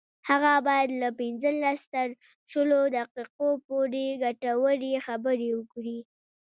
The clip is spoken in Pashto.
هغه باید له پنځلس تر شلو دقیقو پورې ګټورې خبرې وکړي